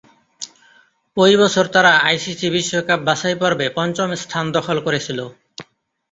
ঐ বছর তারা আইসিসি বিশ্বকাপ বাছাইপর্বে পঞ্চম স্থান দখল করেছিল।